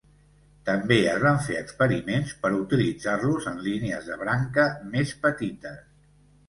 També es van fer experiments per utilitzar-los en línies de branca més petites.